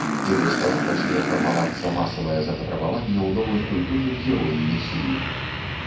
І вось тады пачне фармавацца масавае запатрабаванне ў новым культурным героі-месіі.